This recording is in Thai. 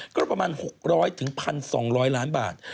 ก็ประมาณ๖๐๐๑๒๐๐ล้านบาท